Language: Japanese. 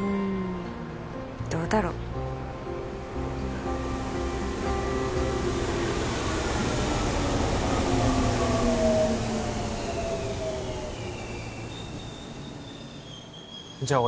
うんどうだろうじゃあ